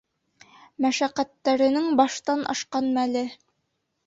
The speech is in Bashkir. Мәшәҡәттәренең баштан ашҡан мәле.